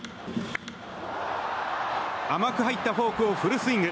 甘く入ったフォークをフルスイング。